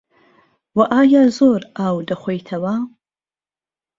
وه ئایا زۆر ئاو دەخۆیتەوە